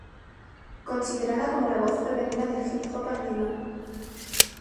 Considerada como la voz femenina del hip hop andino.